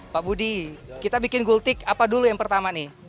pak budi kita bikin gultik apa dulu yang pertama nih